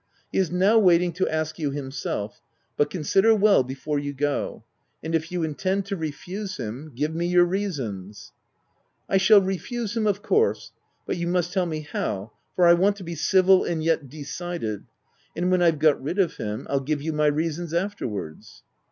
He is now waiting to ask you himself; but consider well before you go ; and if you intend to refuse him, give me your reasons." u I shall refuse him, of course, but you must tell me how, for I want to be civil and yet de cided — and when I've got rid of him, 111 give you my reasons afterwards."